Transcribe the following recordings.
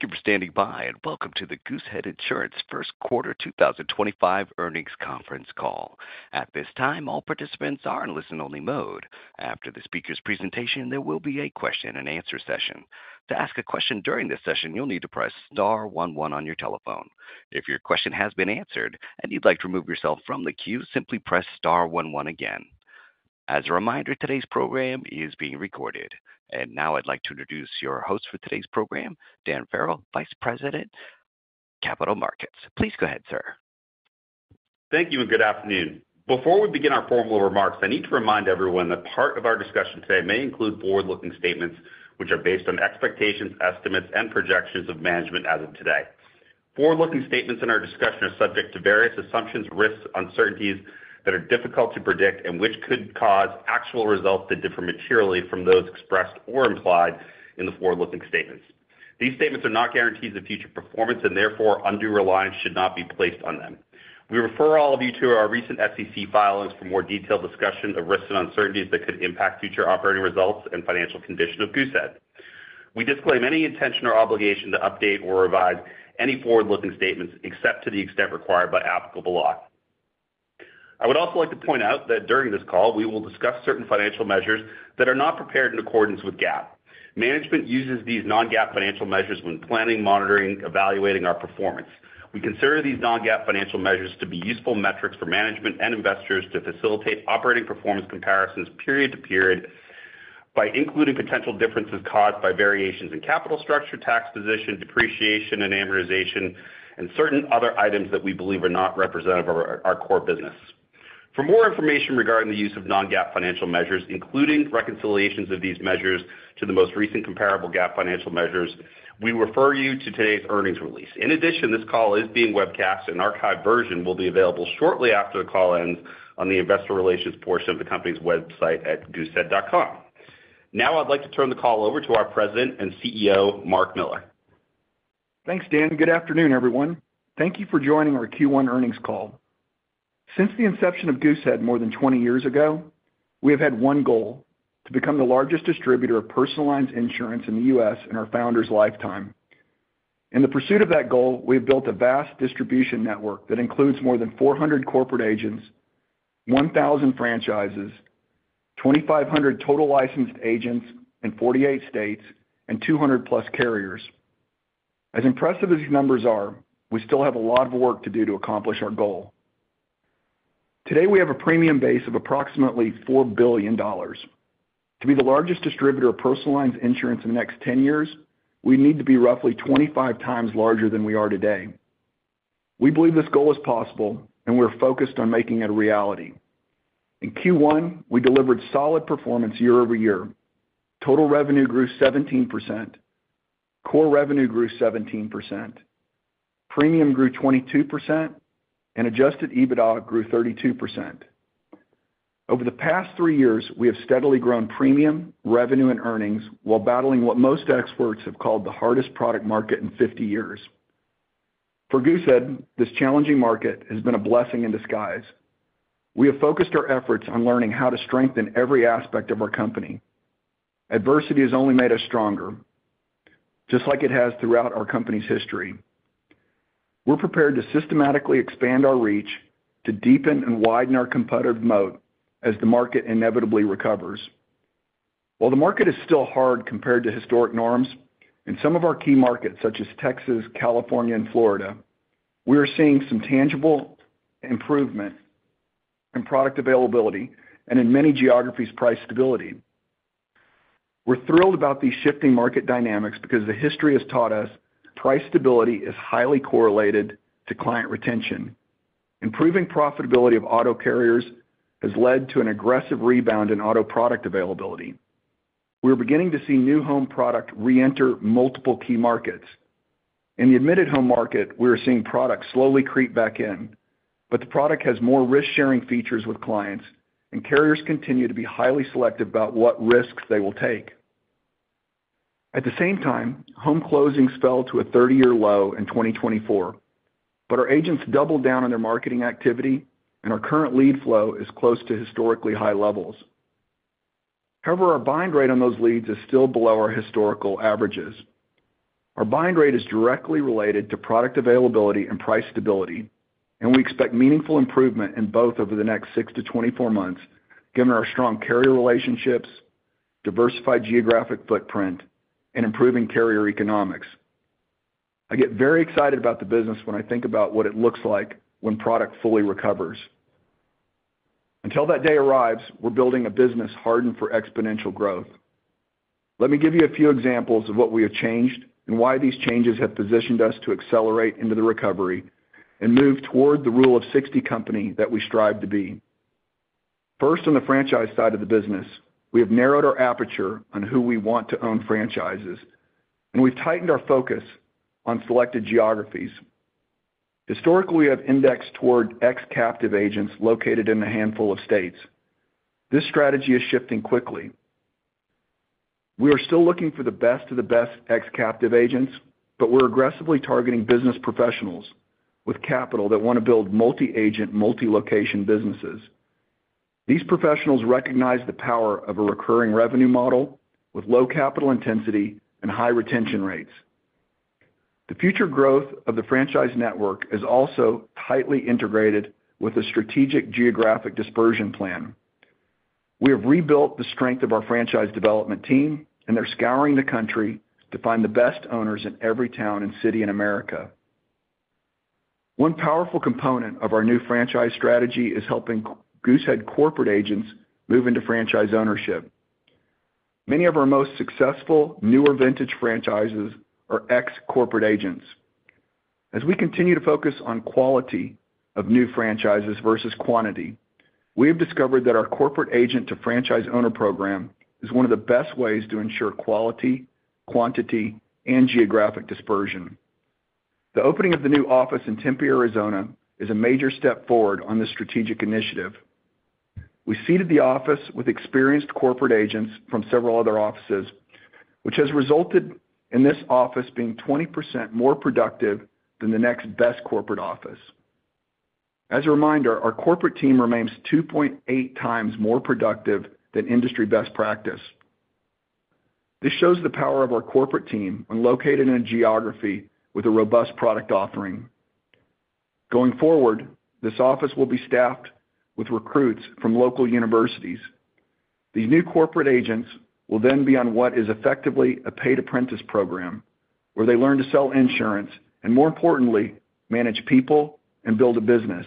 Thank you for standing by, and welcome to the Goosehead Insurance First Quarter 2025 Earnings Conference Call. At this time, all participants are in listen-only mode. After the speaker's presentation, there will be a question-and-answer session. To ask a question during this session, you'll need to press star 11 on your telephone. If your question has been answered and you'd like to remove yourself from the queue, simply press star 11 again. As a reminder, today's program is being recorded. Now I'd like to introduce your host for today's program, Dan Farrell, Vice President, Capital Markets. Please go ahead, sir. Thank you, and good afternoon. Before we begin our formal remarks, I need to remind everyone that part of our discussion today may include forward-looking statements, which are based on expectations, estimates, and projections of management as of today. Forward-looking statements in our discussion are subject to various assumptions, risks, uncertainties that are difficult to predict, and which could cause actual results that differ materially from those expressed or implied in the forward-looking statements. These statements are not guarantees of future performance, and therefore, undue reliance should not be placed on them. We refer all of you to our recent SEC filings for more detailed discussion of risks and uncertainties that could impact future operating results and financial condition of Goosehead. We disclaim any intention or obligation to update or revise any forward-looking statements except to the extent required by applicable law. I would also like to point out that during this call, we will discuss certain financial measures that are not prepared in accordance with GAAP. Management uses these non-GAAP financial measures when planning, monitoring, and evaluating our performance. We consider these non-GAAP financial measures to be useful metrics for management and investors to facilitate operating performance comparisons period to period by including potential differences caused by variations in capital structure, tax position, depreciation, and amortization, and certain other items that we believe are not representative of our core business. For more information regarding the use of non-GAAP financial measures, including reconciliations of these measures to the most recent comparable GAAP financial measures, we refer you to today's earnings release. In addition, this call is being webcast, and an archived version will be available shortly after the call ends on the investor relations portion of the company's website at goosehead.com. Now I'd like to turn the call over to our President and CEO, Mark Jones. Thanks, Dan. Good afternoon, everyone. Thank you for joining our Q1 earnings call. Since the inception of Goosehead more than 20 years ago, we have had one goal: to become the largest distributor of personalized insurance in the U.S. in our founder's lifetime. In the pursuit of that goal, we have built a vast distribution network that includes more than 400 corporate agents, 1,000 franchises, 2,500 total licensed agents in 48 states, and 200-plus carriers. As impressive as these numbers are, we still have a lot of work to do to accomplish our goal. Today, we have a premium base of approximately $4 billion. To be the largest distributor of personalized insurance in the next 10 years, we need to be roughly 25 times larger than we are today. We believe this goal is possible, and we're focused on making it a reality. In Q1, we delivered solid performance Year-over-Year. Total revenue grew 17%. Core revenue grew 17%. Premium grew 22%, and adjusted EBITDA grew 32%. Over the past three years, we have steadily grown premium, revenue, and earnings while battling what most experts have called the hardest product market in 50 years. For Goosehead, this challenging market has been a blessing in disguise. We have focused our efforts on learning how to strengthen every aspect of our company. Adversity has only made us stronger, just like it has throughout our company's history. We're prepared to systematically expand our reach to deepen and widen our competitive moat as the market inevitably recovers. While the market is still hard compared to historic norms in some of our key markets, such as Texas, California, and Florida, we are seeing some tangible improvement in product availability and in many geographies' price stability. We're thrilled about these shifting market dynamics because the history has taught us price stability is highly correlated to client retention. Improving profitability of auto carriers has led to an aggressive rebound in auto product availability. We're beginning to see new home product re-enter multiple key markets. In the admitted home market, we are seeing product slowly creep back in, but the product has more risk-sharing features with clients, and carriers continue to be highly selective about what risks they will take. At the same time, home closings fell to a 30-year low in 2024, but our agents doubled down on their marketing activity, and our current lead flow is close to historically high levels. However, our buying rate on those leads is still below our historical averages. Our buying rate is directly related to product availability and price stability, and we expect meaningful improvement in both over the next 6 to 24 months, given our strong carrier relationships, diversified geographic footprint, and improving carrier economics. I get very excited about the business when I think about what it looks like when product fully recovers. Until that day arrives, we're building a business hardened for exponential growth. Let me give you a few examples of what we have changed and why these changes have positioned us to accelerate into the recovery and move toward the Rule of 60 company that we strive to be. First, on the franchise side of the business, we have narrowed our aperture on who we want to own franchises, and we've tightened our focus on selected geographies. Historically, we have indexed toward ex-captive agents located in a handful of states. This strategy is shifting quickly. We are still looking for the best of the best ex-captive agents, but we're aggressively targeting business professionals with capital that want to build multi-agent, multi-location businesses. These professionals recognize the power of a recurring revenue model with low capital intensity and high retention rates. The future growth of the franchise network is also tightly integrated with a strategic geographic dispersion plan. We have rebuilt the strength of our franchise development team, and they're scouring the country to find the best owners in every town and city in America. One powerful component of our new franchise strategy is helping Goosehead corporate agents move into franchise ownership. Many of our most successful, newer vintage franchises are ex-corporate agents. As we continue to focus on quality of new franchises versus quantity, we have discovered that our corporate agent-to-franchise owner program is one of the best ways to ensure quality, quantity, and geographic dispersion. The opening of the new office in Tempe, Arizona, is a major step forward on this strategic initiative. We seated the office with experienced corporate agents from several other offices, which has resulted in this office being 20% more productive than the next best corporate office. As a reminder, our corporate team remains 2.8 times more productive than industry best practice. This shows the power of our corporate team when located in a geography with a robust product offering. Going forward, this office will be staffed with recruits from local universities. These new corporate agents will then be on what is effectively a paid apprentice program, where they learn to sell insurance and, more importantly, manage people and build a business.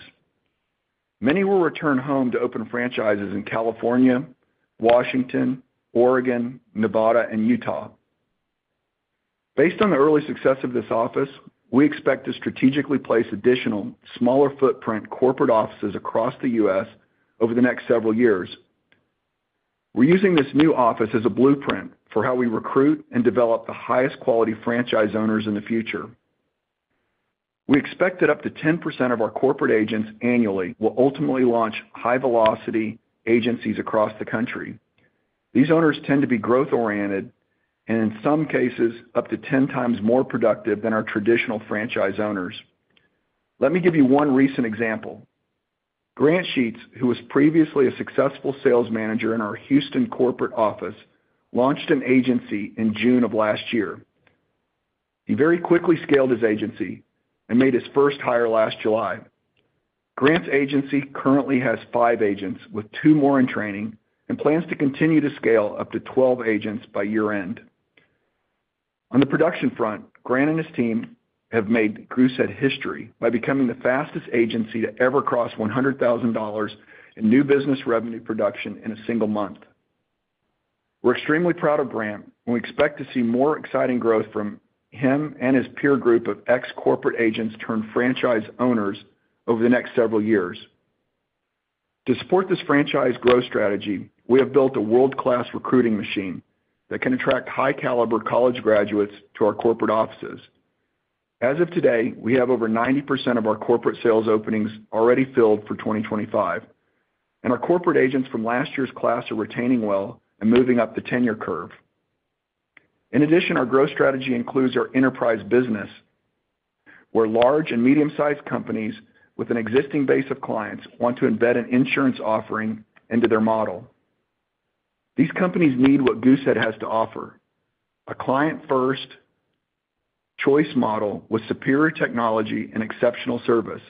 Many will return home to open franchises in California, Washington, Oregon, Nevada, and Utah. Based on the early success of this office, we expect to strategically place additional, smaller-footprint corporate offices across the U.S. over the next several years. We're using this new office as a blueprint for how we recruit and develop the highest-quality franchise owners in the future. We expect that up to 10% of our corporate agents annually will ultimately launch high-velocity agencies across the country. These owners tend to be growth-oriented and, in some cases, up to 10 times more productive than our traditional franchise owners. Let me give you one recent example. Grant Sheets, who was previously a successful sales manager in our Houston corporate office, launched an agency in June of last year. He very quickly scaled his agency and made his first hire last July. Grant's agency currently has five agents, with two more in training, and plans to continue to scale up to 12 agents by year-end. On the production front, Grant and his team have made Goosehead history by becoming the fastest agency to ever cross $100,000 in new business revenue production in a single month. We're extremely proud of Grant, and we expect to see more exciting growth from him and his peer group of ex-corporate agents-turned-franchise owners over the next several years. To support this franchise growth strategy, we have built a world-class recruiting machine that can attract high-caliber college graduates to our corporate offices. As of today, we have over 90% of our corporate sales openings already filled for 2025, and our corporate agents from last year's class are retaining well and moving up the tenure curve. In addition, our growth strategy includes our enterprise business, where large and medium-sized companies with an existing base of clients want to embed an insurance offering into their model. These companies need what Goosehead has to offer: a client-first choice model with superior technology and exceptional service.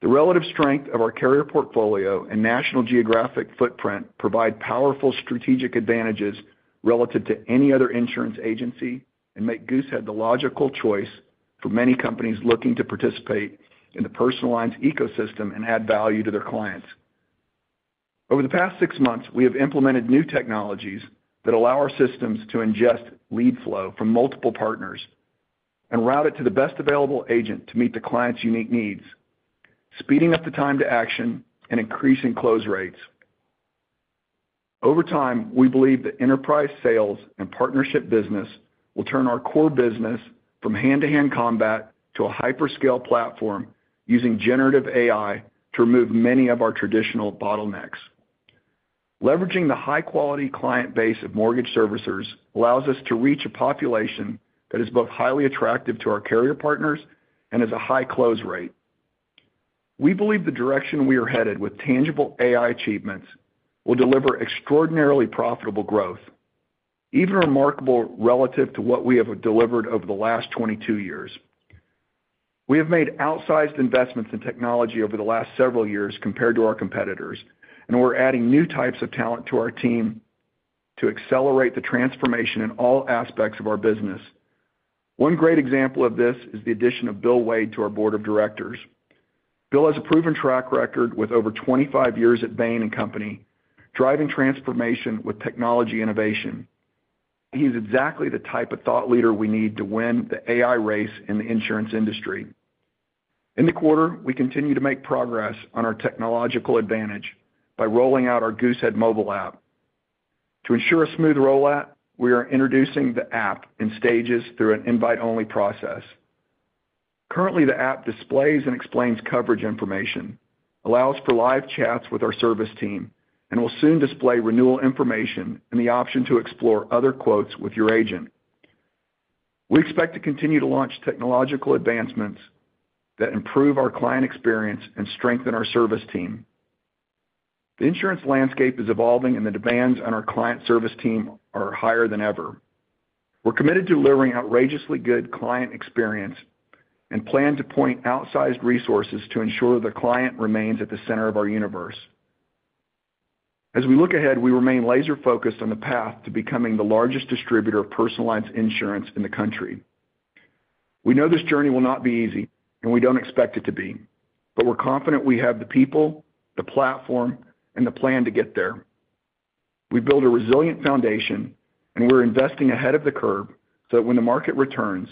The relative strength of our carrier portfolio and national geographic footprint provide powerful strategic advantages relative to any other insurance agency and make Goosehead the logical choice for many companies looking to participate in the personalized ecosystem and add value to their clients. Over the past six months, we have implemented new technologies that allow our systems to ingest lead flow from multiple partners and route it to the best available agent to meet the client's unique needs, speeding up the time to action and increasing close rates. Over time, we believe that enterprise sales and partnership business will turn our core business from hand-to-hand combat to a hyperscale platform using generative AI to remove many of our traditional bottlenecks. Leveraging the high-quality client base of mortgage servicers allows us to reach a population that is both highly attractive to our carrier partners and has a high close rate. We believe the direction we are headed with tangible AI achievements will deliver extraordinarily profitable growth, even remarkable relative to what we have delivered over the last 22 years. We have made outsized investments in technology over the last several years compared to our competitors, and we're adding new types of talent to our team to accelerate the transformation in all aspects of our business. One great example of this is the addition of Bill Wade to our board of directors. Bill has a proven track record with over 25 years at Bain & Company, driving transformation with technology innovation. He is exactly the type of thought leader we need to win the AI race in the insurance industry. In the quarter, we continue to make progress on our technological advantage by rolling out our Goosehead mobile app. To ensure a smooth rollout, we are introducing the app in stages through an invite-only process. Currently, the app displays and explains coverage information, allows for live chats with our service team, and will soon display renewal information and the option to explore other quotes with your agent. We expect to continue to launch technological advancements that improve our client experience and strengthen our service team. The insurance landscape is evolving, and the demands on our client service team are higher than ever. We're committed to delivering outrageously good client experience and plan to point outsized resources to ensure the client remains at the center of our universe. As we look ahead, we remain laser-focused on the path to becoming the largest distributor of personalized insurance in the country. We know this journey will not be easy, and we don't expect it to be, but we're confident we have the people, the platform, and the plan to get there. We've built a resilient foundation, and we're investing ahead of the curve so that when the market returns,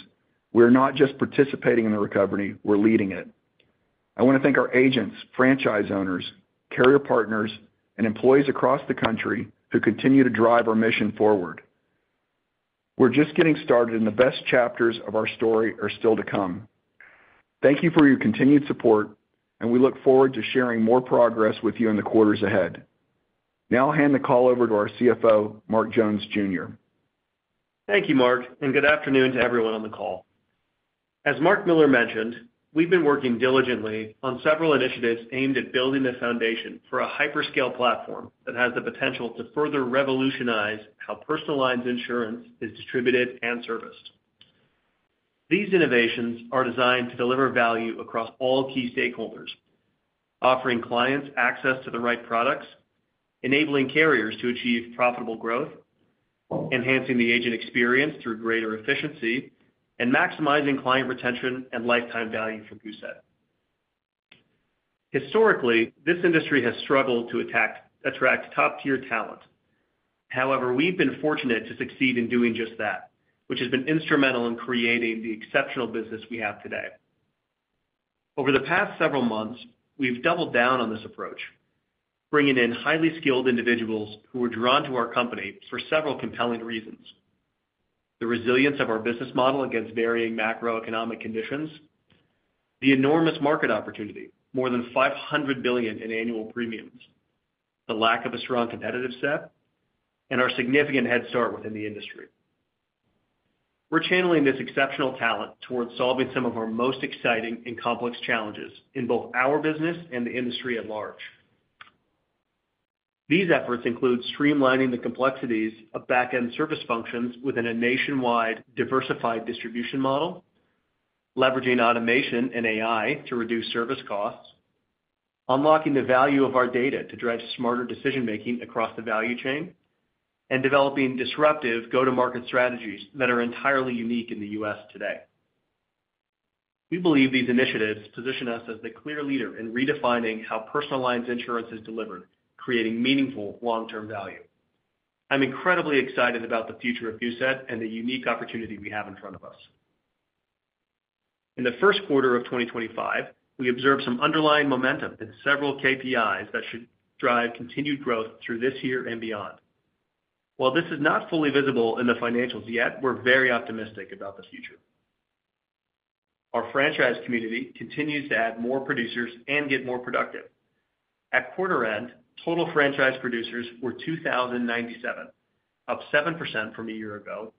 we are not just participating in the recovery; we're leading it. I want to thank our agents, franchise owners, carrier partners, and employees across the country who continue to drive our mission forward. We're just getting started, and the best chapters of our story are still to come. Thank you for your continued support, and we look forward to sharing more progress with you in the quarters ahead. Now I'll hand the call over to our CFO, Mark Jones Jr. Thank you, Mark, and good afternoon to everyone on the call. As Mark Jones mentioned, we've been working diligently on several initiatives aimed at building a foundation for a hyperscale platform that has the potential to further revolutionize how personalized insurance is distributed and serviced. These innovations are designed to deliver value across all key stakeholders, offering clients access to the right products, enabling carriers to achieve profitable growth, enhancing the agent experience through greater efficiency, and maximizing client retention and lifetime value for Goosehead. Historically, this industry has struggled to attract top-tier talent. However, we've been fortunate to succeed in doing just that, which has been instrumental in creating the exceptional business we have today. Over the past several months, we've doubled down on this approach, bringing in highly skilled individuals who are drawn to our company for several compelling reasons: the resilience of our business model against varying macroeconomic conditions, the enormous market opportunity—more than $500 billion in annual premiums—the lack of a strong competitive set, and our significant head start within the industry. We're channeling this exceptional talent towards solving some of our most exciting and complex challenges in both our business and the industry at large. These efforts include streamlining the complexities of back-end service functions within a nationwide diversified distribution model, leveraging automation and AI to reduce service costs, unlocking the value of our data to drive smarter decision-making across the value chain, and developing disruptive go-to-market strategies that are entirely unique in the U.S. today. We believe these initiatives position us as the clear leader in redefining how personalized insurance is delivered, creating meaningful long-term value. I'm incredibly excited about the future of Goosehead and the unique opportunity we have in front of us. In the First Quarter of 2025, we observed some underlying momentum in several KPIs that should drive continued growth through this year and beyond. While this is not fully visible in the financials yet, we're very optimistic about the future. Our franchise community continues to add more producers and get more productive. At quarter-end, total franchise producers were 2,097, up 7% from a year ago,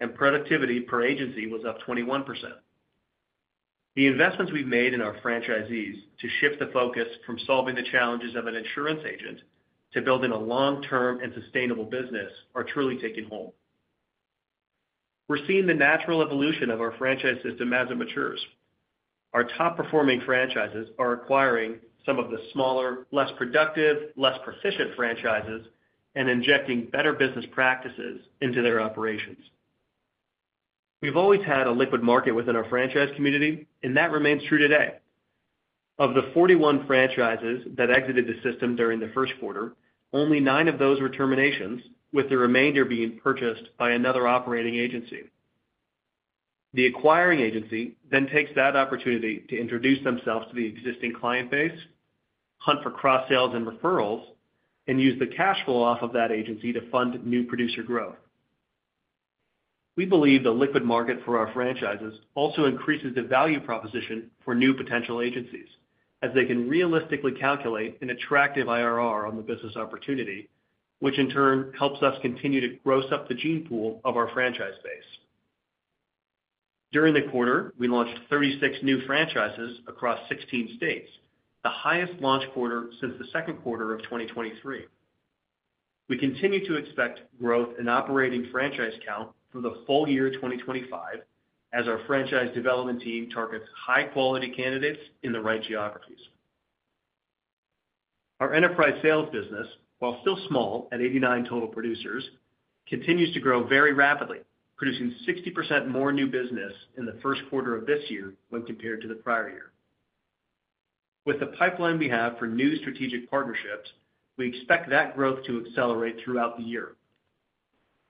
and productivity per agency was up 21%. The investments we've made in our franchisees to shift the focus from solving the challenges of an insurance agent to building a long-term and sustainable business are truly taking hold. We're seeing the natural evolution of our franchise system as it matures. Our top-performing franchises are acquiring some of the smaller, less productive, less proficient franchises and injecting better business practices into their operations. We've always had a liquid market within our franchise community, and that remains true today. Of the 41 franchises that exited the system during the First Quarter, only 9 of those were terminations, with the remainder being purchased by another operating agency. The acquiring agency then takes that opportunity to introduce themselves to the existing client base, hunt for cross-sales and referrals, and use the cash flow off of that agency to fund new producer growth. We believe the liquid market for our franchises also increases the value proposition for new potential agencies, as they can realistically calculate an attractive IRR on the business opportunity, which in turn helps us continue to gross up the gene pool of our franchise base. During the quarter, we launched 36 new franchises across 16 states, the highest launch quarter since the Second Quarter of 2023. We continue to expect growth in operating franchise count for the full year 2025, as our franchise development team targets high-quality candidates in the right geographies. Our enterprise sales business, while still small at 89 total producers, continues to grow very rapidly, producing 60% more new business in the First Quarter of this year when compared to the prior year. With the pipeline we have for new strategic partnerships, we expect that growth to accelerate throughout the year.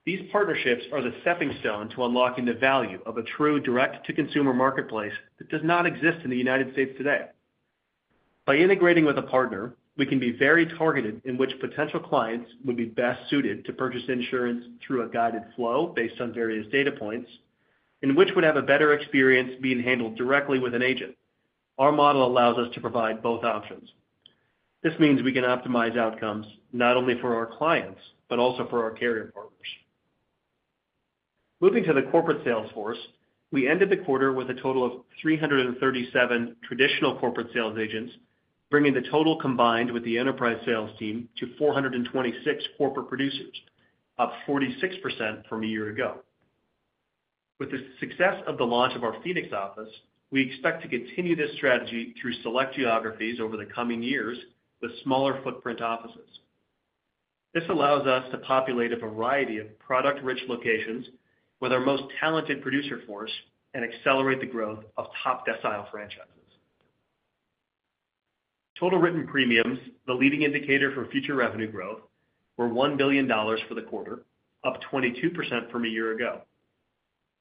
These partnerships are the stepping stone to unlocking the value of a true direct-to-consumer marketplace that does not exist in the United States today. By integrating with a partner, we can be very targeted in which potential clients would be best suited to purchase insurance through a guided flow based on various data points, and which would have a better experience being handled directly with an agent. Our model allows us to provide both options. This means we can optimize outcomes not only for our clients but also for our carrier partners. Moving to the corporate sales force, we ended the quarter with a total of 337 traditional corporate sales agents, bringing the total combined with the enterprise sales team to 426 corporate producers, up 46% from a year ago. With the success of the launch of our Phoenix office, we expect to continue this strategy through select geographies over the coming years with smaller footprint offices. This allows us to populate a variety of product-rich locations with our most talented producer force and accelerate the growth of top decile franchises. Total written premiums, the leading indicator for future revenue growth, were $1 billion for the quarter, up 22% from a year ago.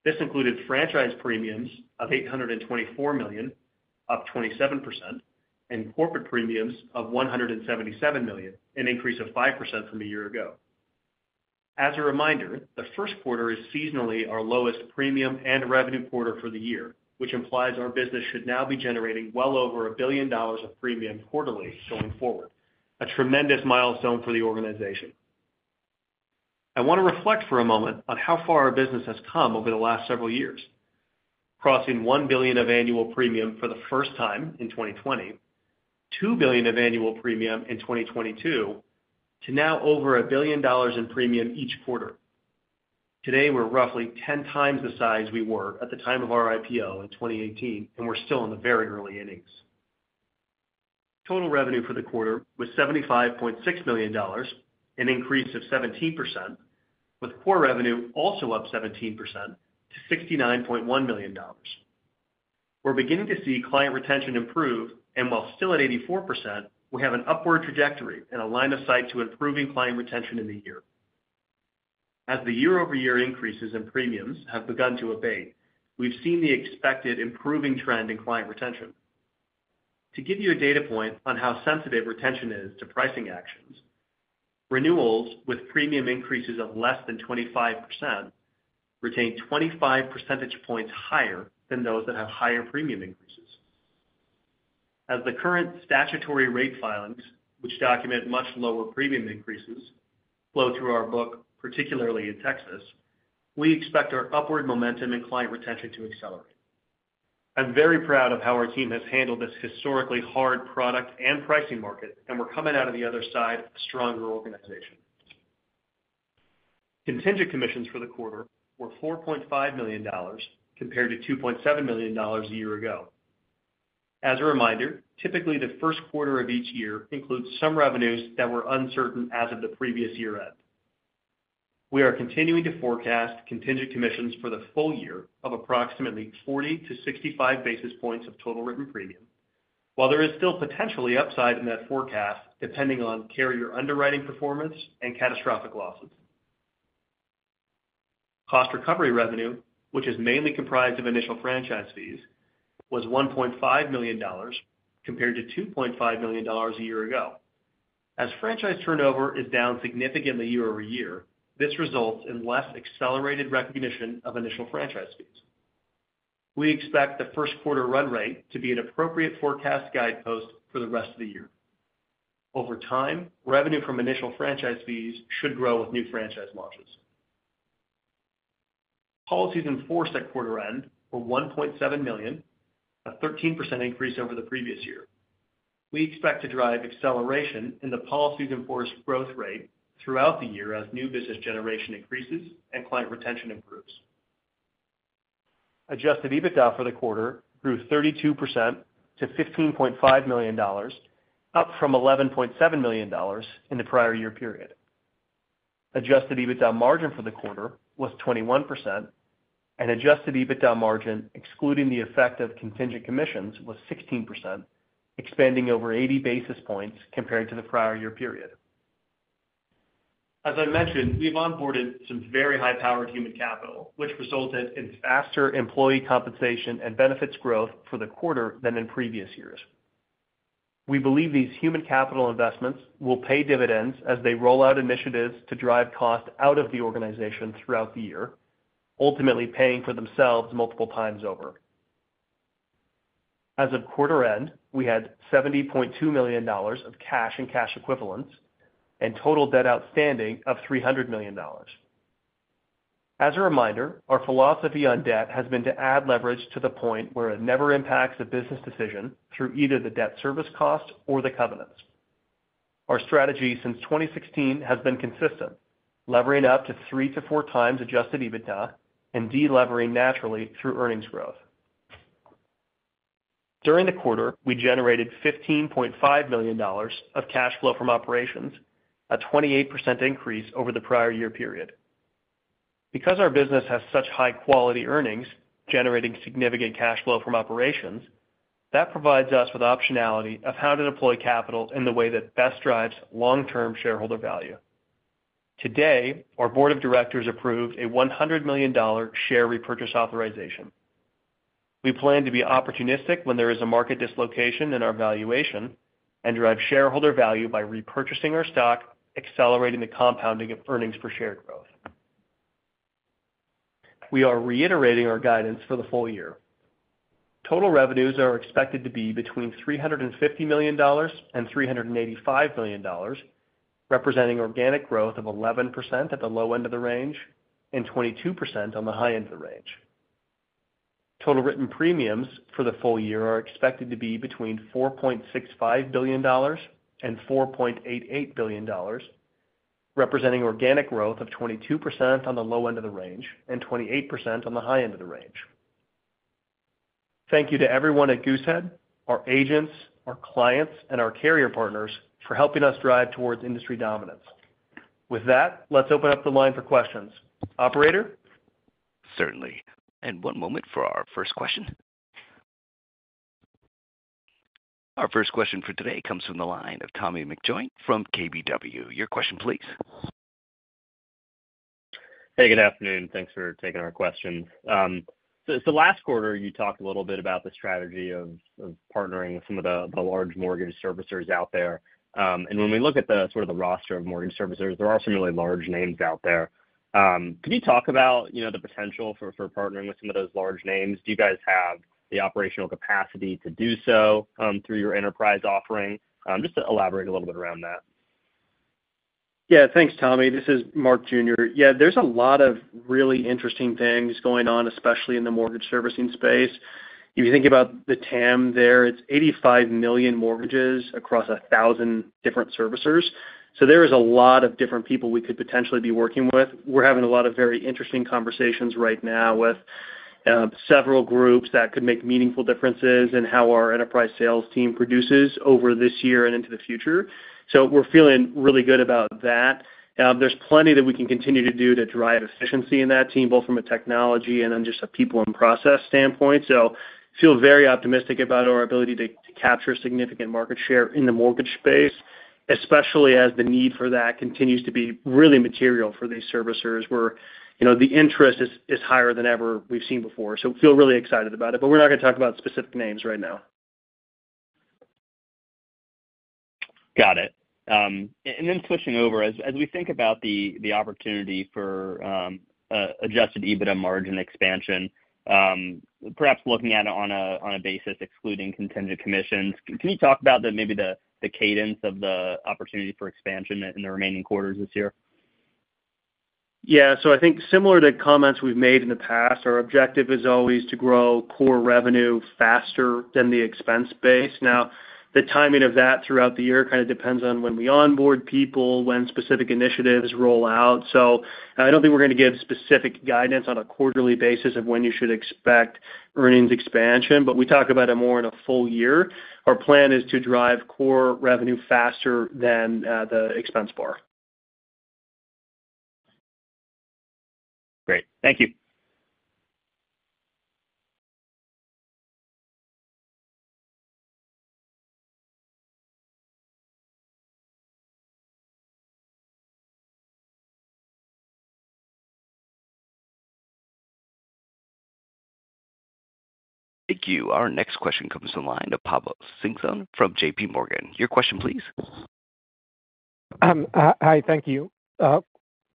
This included franchise premiums of $824 million, up 27%, and corporate premiums of $177 million, an increase of 5% from a year ago. As a reminder, the First Quarter is seasonally our lowest premium and revenue quarter for the year, which implies our business should now be generating well over a billion dollars of premium quarterly going forward, a tremendous milestone for the organization. I want to reflect for a moment on how far our business has come over the last several years, crossing $1 billion of annual premium for the first time in 2020, $2 billion of annual premium in 2022, to now over a billion dollars in premium each quarter. Today, we're roughly 10 times the size we were at the time of our IPO in 2018, and we're still in the very early innings. Total revenue for the quarter was $75.6 million, an increase of 17%, with core revenue also up 17% to $69.1 million. We're beginning to see client retention improve, and while still at 84%, we have an upward trajectory and a line of sight to improving client retention in the year. As the year-over-year increases in premiums have begun to abate, we've seen the expected improving trend in client retention. To give you a data point on how sensitive retention is to pricing actions, renewals with premium increases of less than 25% retain 25 percentage points higher than those that have higher premium increases. As the current statutory rate filings, which document much lower premium increases, flow through our book, particularly in Texas, we expect our upward momentum in client retention to accelerate. I'm very proud of how our team has handled this historically hard product and pricing market, and we're coming out of the other side a stronger organization. Contingent commissions for the quarter were $4.5 million compared to $2.7 million a year ago. As a reminder, typically the First Quarter of each year includes some revenues that were uncertain as of the previous year-end. We are continuing to forecast contingent commissions for the full year of approximately 40-65 basis points of total written premium, while there is still potentially upside in that forecast depending on carrier underwriting performance and catastrophic losses. Cost recovery revenue, which is mainly comprised of initial franchise fees, was $1.5 million compared to $2.5 million a year ago. As franchise turnover is down significantly Year-over-Year, this results in less accelerated recognition of initial franchise fees. We expect the First Quarter run rate to be an appropriate forecast guidepost for the rest of the year. Over time, revenue from initial franchise fees should grow with new franchise launches. Policies in force at quarter-end were 1.7 million, a 13% increase over the previous year. We expect to drive acceleration in the policies in force growth rate throughout the year as new business generation increases and client retention improves. Adjusted EBITDA for the quarter grew 32% to $15.5 million, up from $11.7 million in the prior year period. Adjusted EBITDA margin for the quarter was 21%, and adjusted EBITDA margin excluding the effect of contingent commissions was 16%, expanding over 80 basis points compared to the prior year period. As I mentioned, we've onboarded some very high-powered human capital, which resulted in faster employee compensation and benefits growth for the quarter than in previous years. We believe these human capital investments will pay dividends as they roll out initiatives to drive cost out of the organization throughout the year, ultimately paying for themselves multiple times over. As of quarter-end, we had $70.2 million of cash and cash equivalents and total debt outstanding of $300 million. As a reminder, our philosophy on debt has been to add leverage to the point where it never impacts a business decision through either the debt service cost or the covenants. Our strategy since 2016 has been consistent, levering up to three to four times adjusted EBITDA and delevering naturally through earnings growth. During the quarter, we generated $15.5 million of cash flow from operations, a 28% increase over the prior year period. Because our business has such high-quality earnings generating significant cash flow from operations, that provides us with optionality of how to deploy capital in the way that best drives long-term shareholder value. Today, our board of directors approved a $100 million share repurchase authorization. We plan to be opportunistic when there is a market dislocation in our valuation and drive shareholder value by repurchasing our stock, accelerating the compounding of earnings for share growth. We are reiterating our guidance for the full year. Total revenues are expected to be between $350 million and $385 million, representing organic growth of 11% at the low end of the range and 22% on the high end of the range. Total written premiums for the full year are expected to be between $4.65 billion and $4.88 billion, representing organic growth of 22% on the low end of the range and 28% on the high end of the range. Thank you to everyone at Goose head, our agents, our clients, and our carrier partners for helping us drive towards industry dominance. With that, let's open up the line for questions. Operator? Certainly. And one moment for our first question. Our first question for today comes from the line of Tommy McJoynt from KBW. Your question, please. Hey, good afternoon. Thanks for taking our questions. Last quarter, you talked a little bit about the strategy of partnering with some of the large mortgage servicers out there. When we look at the sort of the roster of mortgage servicers, there are some really large names out there. Can you talk about the potential for partnering with some of those large names? Do you guys have the operational capacity to do so through your enterprise offering? Just to elaborate a little bit around that. Yeah, thanks, Tommy. This is Mark Jr. Yeah, there's a lot of really interesting things going on, especially in the mortgage servicing space. If you think about the TAM there, it's 85 million mortgages across 1,000 different servicers. There is a lot of different people we could potentially be working with. We're having a lot of very interesting conversations right now with several groups that could make meaningful differences in how our enterprise sales team produces over this year and into the future. We're feeling really good about that. There's plenty that we can continue to do to drive efficiency in that team, both from a technology and then just a people and process standpoint. I feel very optimistic about our ability to capture significant market share in the mortgage space, especially as the need for that continues to be really material for these servicers, where the interest is higher than ever we've seen before. I feel really excited about it, but we're not going to talk about specific names right now. Got it. Switching over, as we think about the opportunity for adjusted EBITDA margin expansion, perhaps looking at it on a basis excluding contingent commissions, can you talk about maybe the cadence of the opportunity for expansion in the remaining quarters this year? Yeah. I think similar to comments we've made in the past, our objective is always to grow core revenue faster than the expense base. Now, the timing of that throughout the year kind of depends on when we onboard people, when specific initiatives roll out. I don't think we're going to give specific guidance on a quarterly basis of when you should expect earnings expansion, but we talk about it more in a full year. Our plan is to drive core revenue faster than the expense bar. Great. Thank you. Thank you. Our next question comes from the line of Pablo Singzon from JPMorgan. Your question, please. Hi, thank you.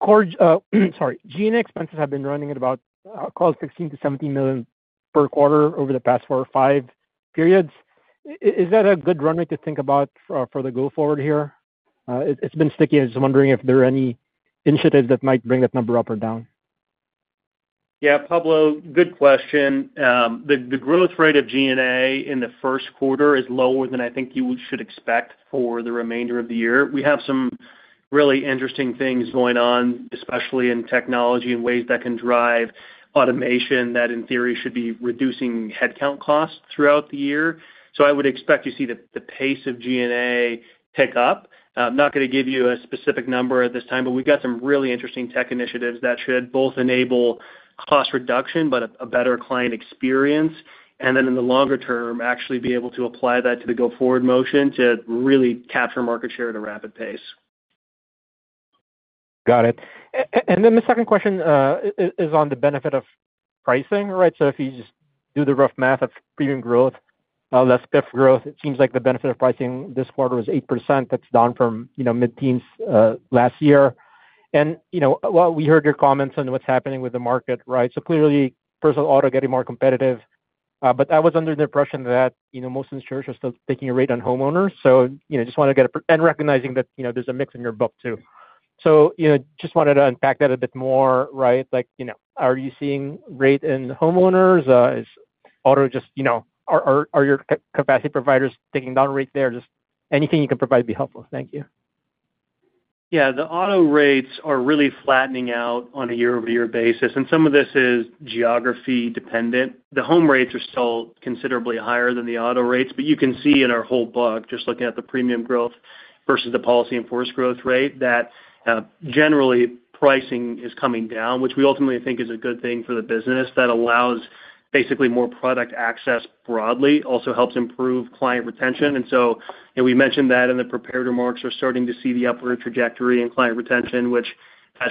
G&A expenses have been running at about $16 million-$17 million per quarter over the past four or five periods. Is that a good run rate to think about for the go forward here? It's been sticky. I was just wondering if there are any initiatives that might bring that number up or down. Yeah, Pablo, good question. The growth rate of G&A in the First Quarter is lower than I think you should expect for the remainder of the year. We have some really interesting things going on, especially in technology and ways that can drive automation that, in theory, should be reducing headcount costs throughout the year. I would expect to see the pace of G&A pick up. I'm not going to give you a specific number at this time, but we've got some really interesting tech initiatives that should both enable cost reduction but a better client experience, and then in the longer term, actually be able to apply that to the go forward motion to really capture market share at a rapid pace. Got it. Then the second question is on the benefit of pricing, right? If you just do the rough math of premium growth, less PIF growth, it seems like the benefit of pricing this quarter was 8%. That's down from mid-teens last year. While we heard your comments on what's happening with the market, right? Clearly, personal auto is getting more competitive. I was under the impression that most insurers are still taking a rate on homeowners. I just wanted to get a and recognizing that there's a mix in your book too. I just wanted to unpack that a bit more, right? Are you seeing rate in homeowners? Is auto just are your capacity providers taking down rates there? Anything you can provide would be helpful. Thank you. Yeah, the auto rates are really flattening out on a year-over-year basis. Some of this is geography dependent. The home rates are still considerably higher than the auto rates. You can see in our whole book, just looking at the premium growth versus the policy-in-force growth rate, that generally pricing is coming down, which we ultimately think is a good thing for the business that allows basically more product access broadly. It also helps improve client retention. We mentioned that in the prepared remarks, we're starting to see the upward trajectory in client retention, which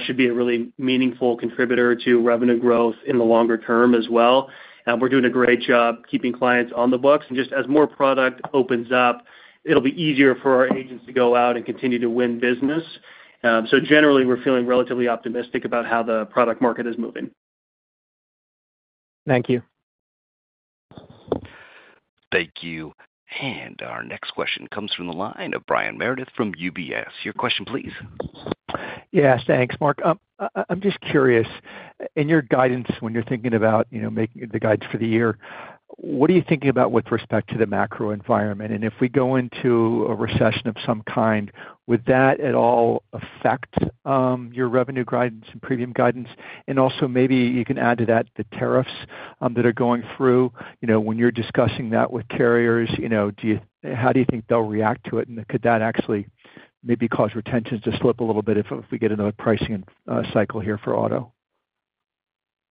should be a really meaningful contributor to revenue growth in the longer term as well. We're doing a great job keeping clients on the books. Just as more product opens up, it'll be easier for our agents to go out and continue to win business. Generally, we're feeling relatively optimistic about how the product market is moving. Thank you. Thank you. Our next question comes from the line of Brian Meredith from UBS. Your question, please. Yes, thanks, Mark. I'm just curious, in your guidance, when you're thinking about making the guidance for the year, what are you thinking about with respect to the macro environment? If we go into a recession of some kind, would that at all affect your revenue guidance and premium guidance? Also maybe you can add to that the tariffs that are going through. When you're discussing that with carriers, how do you think they'll react to it? Could that actually maybe cause retention to slip a little bit if we get another pricing cycle here for auto?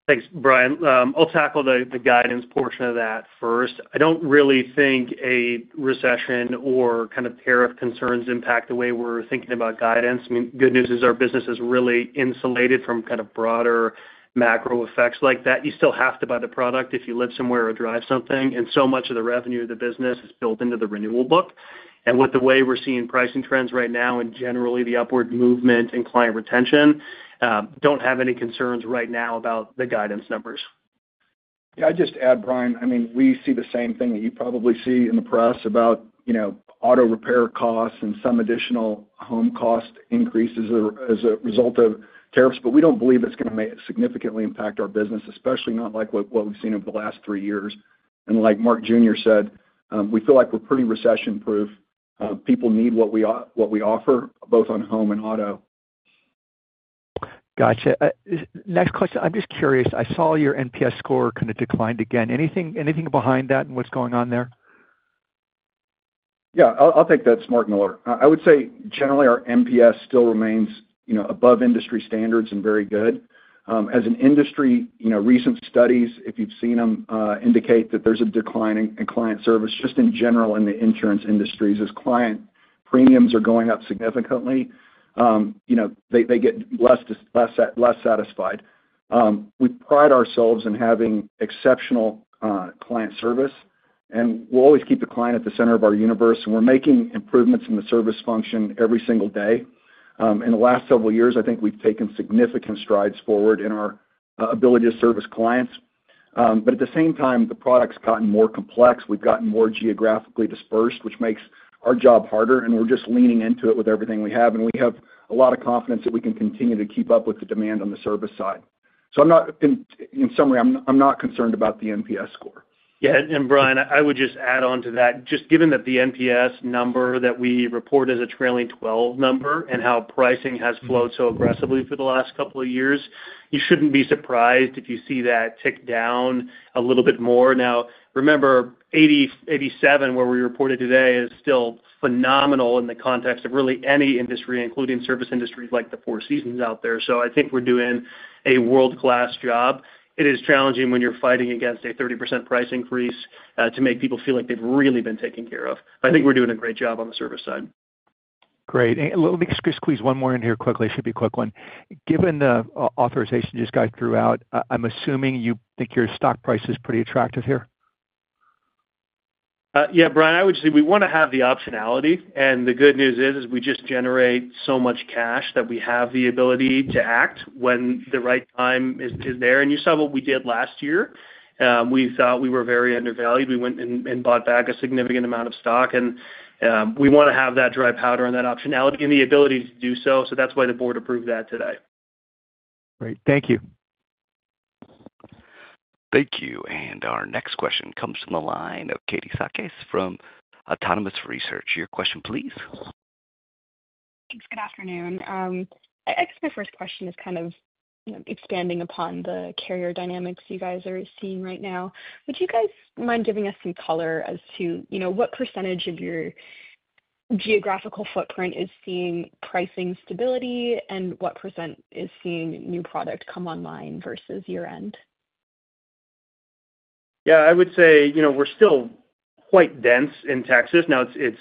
Thanks, Brian. I'll tackle the guidance portion of that first. I don't really think a recession or kind of tariff concerns impact the way we're thinking about guidance. I mean, good news is our business is really insulated from kind of broader macro effects like that. You still have to buy the product if you live somewhere or drive something. And so much of the revenue of the business is built into the renewal book. With the way we're seeing pricing trends right now and generally the upward movement in client retention, I don't have any concerns right now about the guidance numbers. Yeah, I'd just add, Brian, I mean, we see the same thing that you probably see in the press about auto repair costs and some additional home cost increases as a result of tariffs. We don't believe it's going to significantly impact our business, especially not like what we've seen over the last three years. Like Mark Jones Jr. said, we feel like we're pretty recession-proof. People need what we offer, both on home and auto. Gotcha. Next question. I'm just curious. I saw your NPS score kind of declined again. Anything behind that and what's going on there? Yeah, I'll take that, Mark Jones. I would say generally our NPS still remains above industry standards and very good. As an industry, recent studies, if you've seen them, indicate that there's a decline in client service just in general in the insurance industries. As client premiums are going up significantly, they get less satisfied. We pride ourselves in having exceptional client service. We will always keep the client at the center of our universe. We are making improvements in the service function every single day. In the last several years, I think we've taken significant strides forward in our ability to service clients. At the same time, the product's gotten more complex. We've gotten more geographically dispersed, which makes our job harder. We're just leaning into it with everything we have. We have a lot of confidence that we can continue to keep up with the demand on the service side. In summary, I'm not concerned about the NPS score. Yeah. Brian, I would just add on to that. Just given that the NPS number that we report is a trailing 12 number and how pricing has flowed so aggressively for the last couple of years, you shouldn't be surprised if you see that tick down a little bit more. Remember, 87 where we reported today is still phenomenal in the context of really any industry, including service industries like the Four Seasons out there. I think we're doing a world-class job. It is challenging when you're fighting against a 30% price increase to make people feel like they've really been taken care of. I think we're doing a great job on the service side. Great. Let me squeeze one more in here quickly. It should be a quick one. Given the authorization you just got throughout, I'm assuming you think your stock price is pretty attractive here? Yeah, Brian, I would say we want to have the optionality. The good news is we just generate so much cash that we have the ability to act when the right time is there. You saw what we did last year. We thought we were very undervalued. We went and bought back a significant amount of stock. We want to have that dry powder and that optionality and the ability to do so. That's why the board approved that today. Great. Thank you. Thank you. Our next question comes from the line of Katie Sakys from Autonomous Research. Your question, please. Thanks. Good afternoon. I guess my first question is kind of expanding upon the carrier dynamics you guys are seeing right now. Would you guys mind giving us some color as to what percentage of your geographical footprint is seeing pricing stability and what percent is seeing new product come online versus year-end? I would say we're still quite dense in Texas. Now, the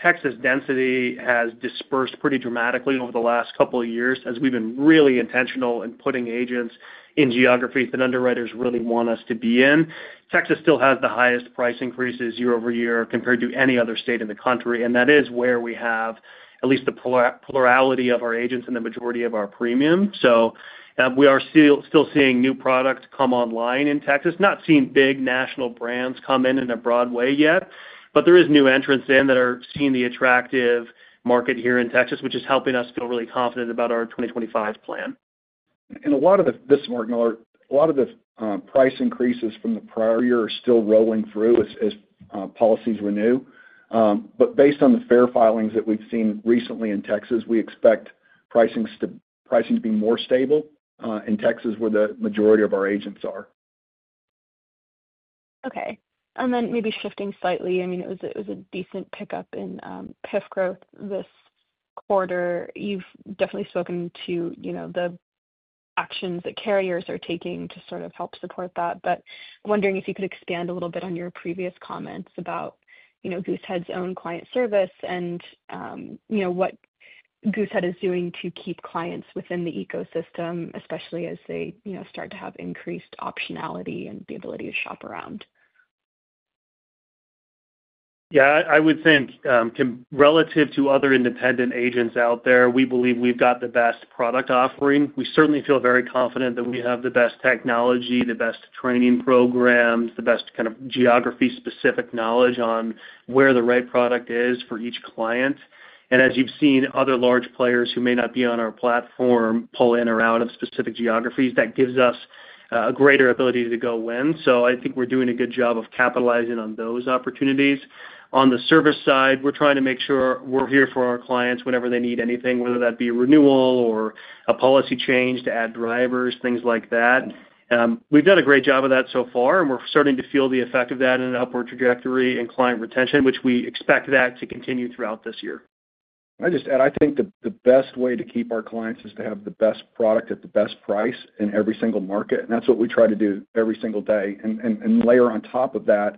Texas density has dispersed pretty dramatically over the last couple of years as we've been really intentional in putting agents in geographies that underwriters really want us to be in. Texas still has the highest price increases Year-over-Year compared to any other state in the country. That is where we have at least the plurality of our agents and the majority of our premium. We are still seeing new product come online in Texas. Not seeing big national brands come in in a broad way yet. There are new entrants in that are seeing the attractive market here in Texas, which is helping us feel really confident about our 2025 plan. A lot of this, Mark Jones, a lot of the price increases from the prior year are still rolling through as policies renew. Based on the FAIR filings that we've seen recently in Texas, we expect pricing to be more stable in Texas where the majority of our agents are. Okay. Maybe shifting slightly, I mean, it was a decent pickup in PIF growth this quarter. You've definitely spoken to the actions that carriers are taking to sort of help support that. I am wondering if you could expand a little bit on your previous comments about Goosehead's own client service and what Goosehead is doing to keep clients within the ecosystem, especially as they start to have increased optionality and the ability to shop around. I would think relative to other independent agents out there, we believe we've got the best product offering. We certainly feel very confident that we have the best technology, the best training programs, the best kind of geography-specific knowledge on where the right product is for each client. As you've seen other large players who may not be on our platform pull in or out of specific geographies, that gives us a greater ability to go win. I think we're doing a good job of capitalizing on those opportunities. On the service side, we're trying to make sure we're here for our clients whenever they need anything, whether that be renewal or a policy change to add drivers, things like that. We've done a great job of that so far, and we're starting to feel the effect of that in an upward trajectory in client retention, which we expect that to continue throughout this year. I just add, I think the best way to keep our clients is to have the best product at the best price in every single market. That's what we try to do every single day. Layer on top of that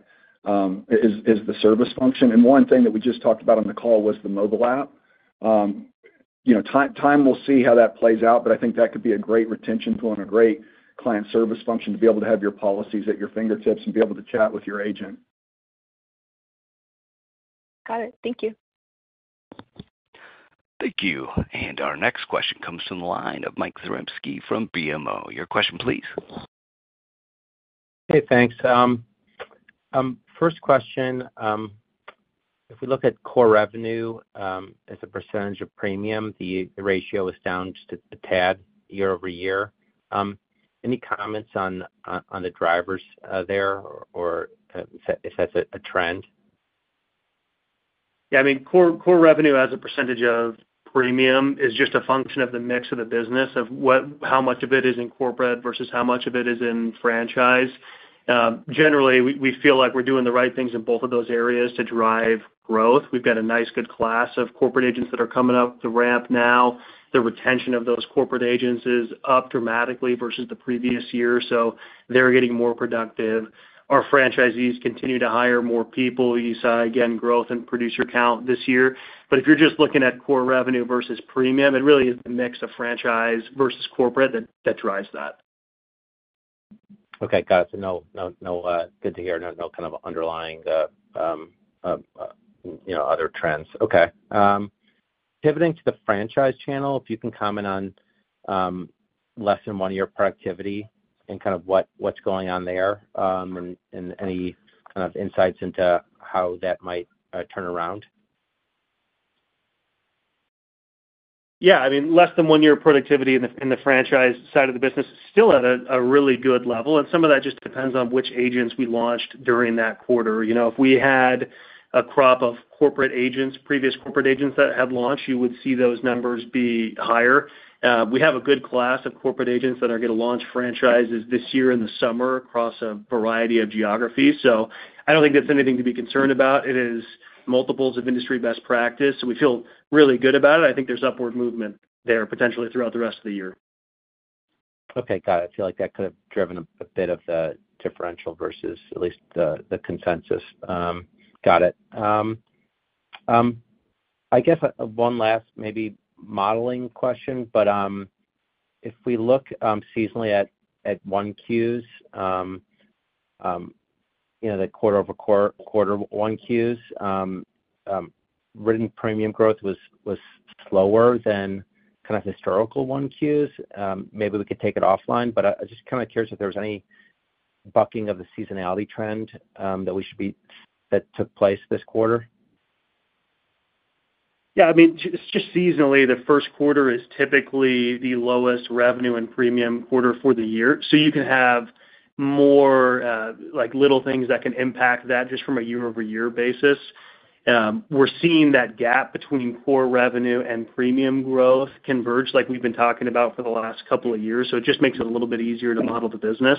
is the service function. One thing that we just talked about on the call was the mobile app. Time will see how that plays out, but I think that could be a great retention tool and a great client service function to be able to have your policies at your fingertips and be able to chat with your agent. Got it. Thank you. Thank you. Our next question comes from the line of Mike Zaremski from BMO. Your question, please. Hey, thanks. First question, if we look at core revenue as a percentage of premium, the ratio is down just a tad Year-over-Year. Any comments on the drivers there or if that's a trend? Yeah, I mean, core revenue as a percentage of premium is just a function of the mix of the business, of how much of it is in corporate versus how much of it is in franchise. Generally, we feel like we're doing the right things in both of those areas to drive growth. We've got a nice good class of corporate agents that are coming up the ramp now. The retention of those corporate agents is up dramatically versus the previous year. They're getting more productive. Our franchisees continue to hire more people. You saw, again, growth in producer count this year. If you're just looking at core revenue versus premium, it really is the mix of franchise versus corporate that drives that. Okay. Got it. Good to hear. No kind of underlying other trends. Okay. Pivoting to the franchise channel, if you can comment on less than one-year productivity and kind of what's going on there and any kind of insights into how that might turn around. Yeah. I mean, less than one-year productivity in the franchise side of the business is still at a really good level. Some of that just depends on which agents we launched during that quarter. If we had a crop of previous corporate agents that had launched, you would see those numbers be higher. We have a good class of corporate agents that are going to launch franchises this year in the summer across a variety of geographies. I do not think that is anything to be concerned about. It is multiples of industry best practice. We feel really good about it. I think there is upward movement there potentially throughout the rest of the year. Okay. Got it. I feel like that could have driven a bit of the differential versus at least the consensus. Got it. I guess one last maybe modeling question. If we look seasonally at 1Qs, the quarter-over-quarter 1Qs, written premium growth was slower than kind of historical 1Qs. Maybe we could take it offline. I am just kind of curious if there was any bucking of the seasonality trend that we should be that took place this quarter. Yeah. I mean, just seasonally, the First Quarter is typically the lowest revenue and premium quarter for the year. You can have more little things that can impact that just from a year-over-year basis. We are seeing that gap between core revenue and premium growth converge like we have been talking about for the last couple of years. It just makes it a little bit easier to model the business.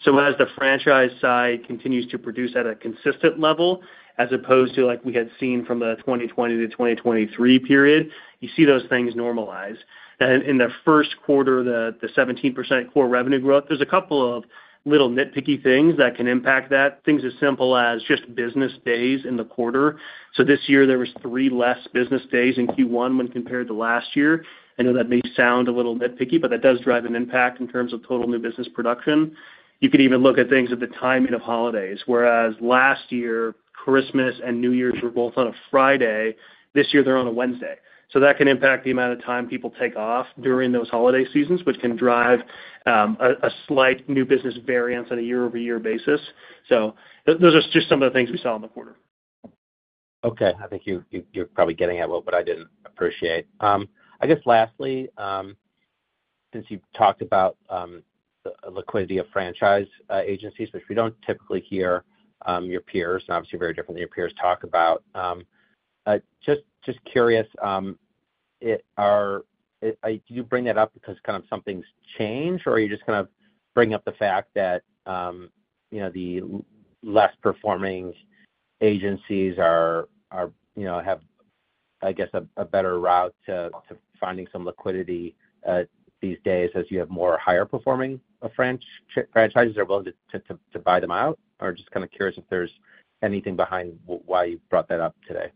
As the franchise side continues to produce at a consistent level as opposed to like we had seen from the 2020 to 2023 period, you see those things normalize. In the First Quarter, the 17% core revenue growth, there's a couple of little nitpicky things that can impact that. Things as simple as just business days in the quarter. This year, there were three less business days in Q1 when compared to last year. I know that may sound a little nitpicky, but that does drive an impact in terms of total new business production. You could even look at things at the timing of holidays. Whereas last year, Christmas and New Year's were both on a Friday, this year they're on a Wednesday. That can impact the amount of time people take off during those holiday seasons, which can drive a slight new business variance on a year-over-year basis. Those are just some of the things we saw in the quarter. Okay. I think you're probably getting at what I didn't appreciate. I guess lastly, since you've talked about the liquidity of franchise agencies, which we don't typically hear your peers, and obviously very different than your peers talk about, just curious, did you bring that up because kind of something's changed, or are you just kind of bringing up the fact that the less performing agencies have, I guess, a better route to finding some liquidity these days as you have more higher-performing franchises that are willing to buy them out? Just kind of curious if there's anything behind why you brought that up today.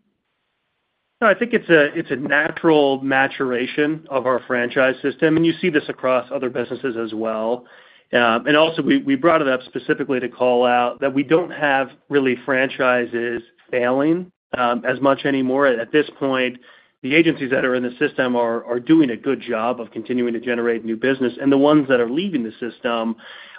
No, I think it's a natural maturation of our franchise system. You see this across other businesses as well. Also, we brought it up specifically to call out that we don't have really franchises failing as much anymore. At this point, the agencies that are in the system are doing a good job of continuing to generate new business. The ones that are leaving the system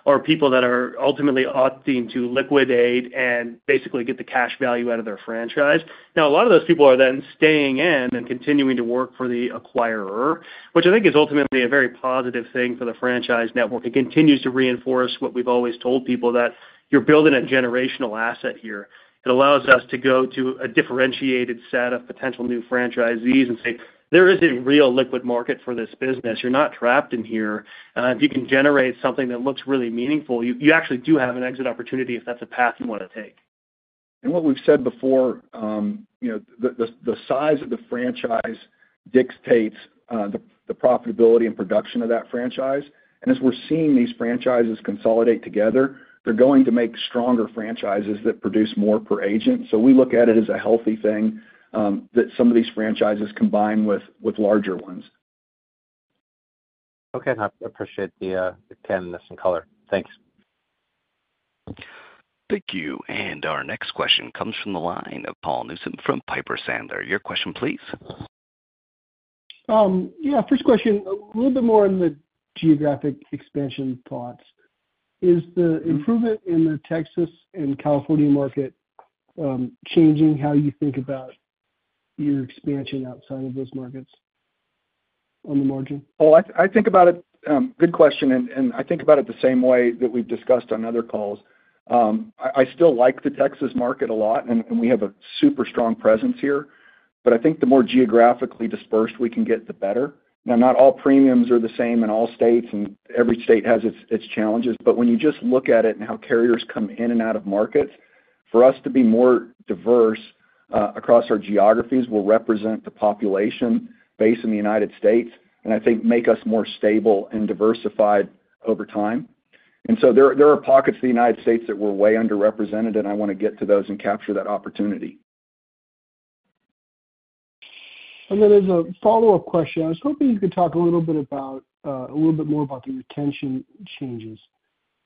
are people that are ultimately opting to liquidate and basically get the cash value out of their franchise. Now, a lot of those people are then staying in and continuing to work for the acquirer, which I think is ultimately a very positive thing for the franchise network. It continues to reinforce what we've always told people, that you're building a generational asset here. It allows us to go to a differentiated set of potential new franchisees and say, "There is a real liquid market for this business. You're not trapped in here. If you can generate something that looks really meaningful, you actually do have an exit opportunity if that's a path you want to take. What we've said before, the size of the franchise dictates the profitability and production of that franchise. As we're seeing these franchises consolidate together, they're going to make stronger franchises that produce more per agent. We look at it as a healthy thing that some of these franchises combine with larger ones. I appreciate the candidness and color. Thanks. Thank you. Our next question comes from the line of Paul Newsome from Piper Sandler. Your question, please. Yeah. First question, a little bit more on the geographic expansion thoughts. Is the improvement in the Texas and California market changing how you think about your expansion outside of those markets on the margin? I think about it. Good question, I think about it the same way that we've discussed on other calls. I still like the Texas market a lot, and we have a super strong presence here. I think the more geographically dispersed we can get, the better. Now, not all premiums are the same in all states, and every state has its challenges. When you just look at it and how carriers come in and out of markets, for us to be more diverse across our geographies will represent the population base in the United States and I think make us more stable and diversified over time. There are pockets of the United States that were way underrepresented, and I want to get to those and capture that opportunity. As a follow-up question, I was hoping you could talk a little bit more about the retention changes.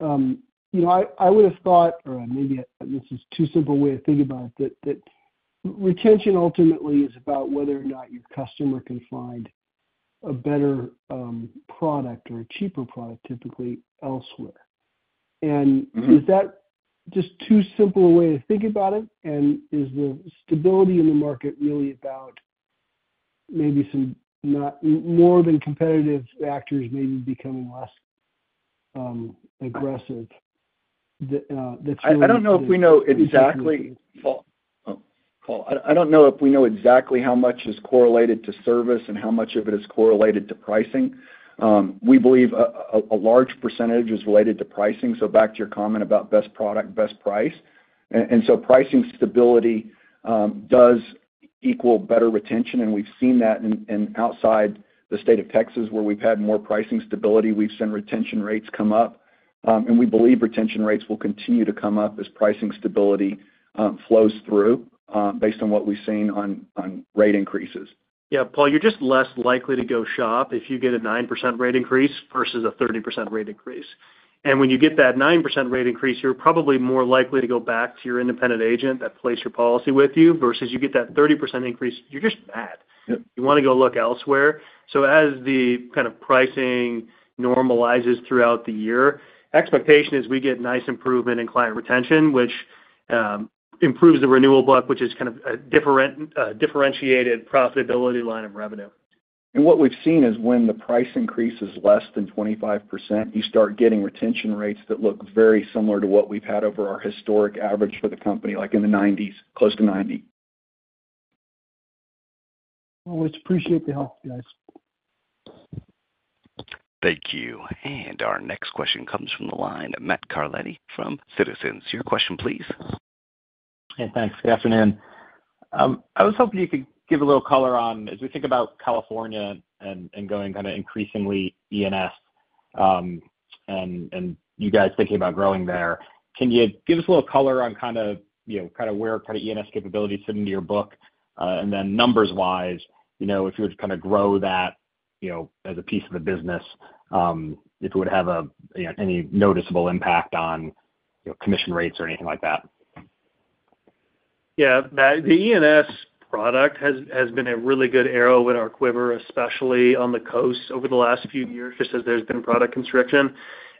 I would have thought, or maybe this is too simple a way of thinking about it, that retention ultimately is about whether or not your customer can find a better product or a cheaper product typically elsewhere. Is that just too simple a way to think about it? Is the stability in the market really about maybe some more than competitive factors maybe becoming less aggressive? I do not know if we know exactly. Paul, I do not know if we know exactly how much is correlated to service and how much of it is correlated to pricing. We believe a large percentage is related to pricing. Back to your comment about best product, best price. Pricing stability does equal better retention. We have seen that outside the state of Texas where we have had more pricing stability, we have seen retention rates come up. We believe retention rates will continue to come up as pricing stability flows through based on what we have seen on rate increases. Yeah. Paul, you are just less likely to go shop if you get a 9% rate increase versus a 30% rate increase. When you get that 9% rate increase, you are probably more likely to go back to your independent agent that placed your policy with you versus you get that 30% increase. You are just mad. You want to go look elsewhere. As the kind of pricing normalizes throughout the year, expectation is we get nice improvement in client retention, which improves the renewal book, which is kind of a differentiated profitability line of revenue. What we've seen is when the price increases less than 25%, you start getting retention rates that look very similar to what we've had over our historic average for the company, like in the 90s, close to 90. We appreciate the help, guys. Thank you. Our next question comes from the line of Matt Carletti from Citizens. Your question, please. Hey, thanks. Good afternoon. I was hoping you could give a little color on, as we think about California and going kind of increasingly E&S and you guys thinking about growing there, can you give us a little color on kind of where kind of E&S capabilities fit into your book? And then numbers-wise, if you were to kind of grow that as a piece of the business, if it would have any noticeable impact on commission rates or anything like that. Yeah. The E&S product has been a really good arrow with our quiver, especially on the coast over the last few years just as there's been product constriction.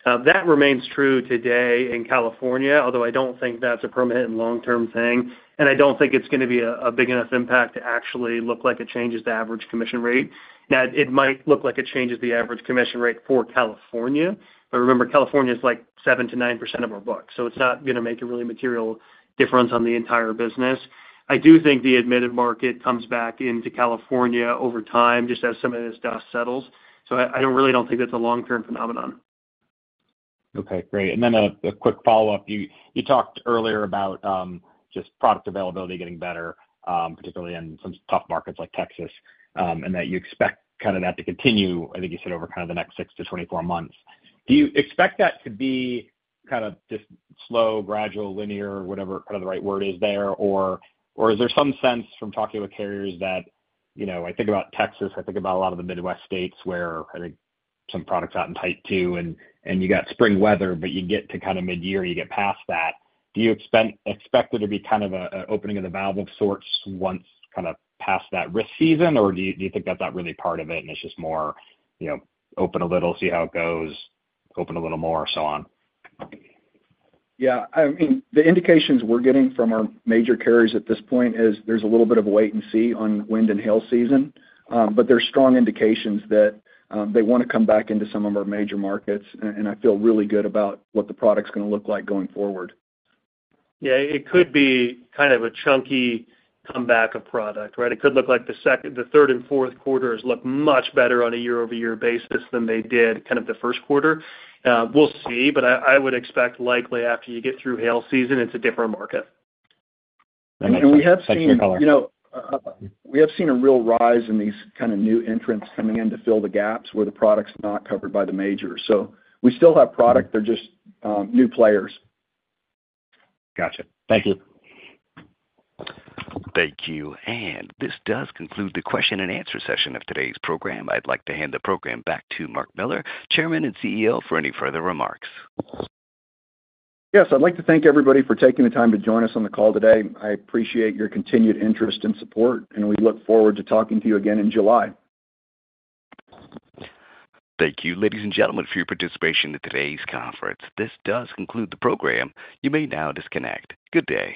That remains true today in California, although I don't think that's a permanent and long-term thing. I don't think it's going to be a big enough impact to actually look like it changes the average commission rate. Now, it might look like it changes the average commission rate for California. But remember, California is like 7-9% of our book. It's not going to make a really material difference on the entire business. I do think the admitted market comes back into California over time just as some of this stuff settles. I really don't think that's a long-term phenomenon. Okay. Great. And then a quick follow-up. You talked earlier about just product availability getting better, particularly in some tough markets like Texas, and that you expect kind of that to continue, I think you said, over kind of the next 6 to 24 months. Do you expect that to be kind of just slow, gradual, linear, whatever kind of the right word is there? Is there some sense from talking with carriers that I think about Texas, I think about a lot of the Midwest states where I think some products out in Tier 2, and you got spring weather, but you get to kind of mid-year, you get past that. Do you expect there to be kind of an opening of the valve of sorts once kind of past that risk season? Or do you think that's not really part of it and it's just more open a little, see how it goes, open a little more, so on? Yeah. I mean, the indications we're getting from our major carriers at this point is there's a little bit of a wait and see on wind and hail season. But there's strong indications that they want to come back into some of our major markets. I feel really good about what the product's going to look like going forward. Yeah. It could be kind of a chunky comeback of product, right? It could look like the third and Fourth Quarters look much better on a year-over-year basis than they did kind of the First Quarter. We'll see. I would expect likely after you get through hail season, it's a different market. We have seen. Thanks for your color. We have seen a real rise in these kind of new entrants coming in to fill the gaps where the product's not covered by the majors. So we still have product. They're just new players. Gotcha. Thank you. Thank you. This does conclude the question and answer session of today's program. I'd like to hand the program back to Mark Jones, Chairman and CEO, for any further remarks. Yes. I'd like to thank everybody for taking the time to join us on the call today. I appreciate your continued interest and support. We look forward to talking to you again in July. Thank you, ladies and gentlemen, for your participation in today's conference. This does conclude the program. You may now disconnect. Good day.